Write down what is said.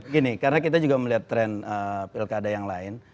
gini karena kita juga melihat tren pilkada yang lain